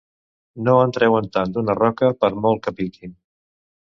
No en treuen tant d'una roca, per molt que piquin.